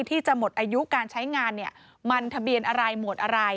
ที่จะหมดอายุการใช้งานเนี่ยมันทะเบียนอะไรหมวดอะไร